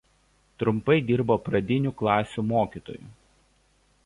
Trumpai dirbo pradinių klasių mokytoju.